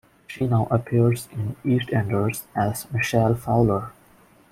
She now appears in "EastEnders" as Michelle Fowler.